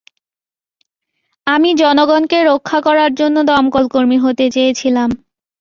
আমি জনগণকে রক্ষা করার জন্য দমকল কর্মী হতে চেয়েছিলাম।